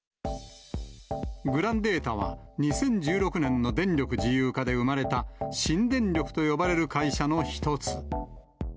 グランデータは、２０１６年の電力自由化で生まれた、新電力と呼ばれる会社の一つ。